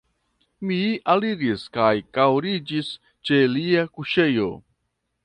Mi aliris kaj kaŭriĝis ĉe lia kuŝejo.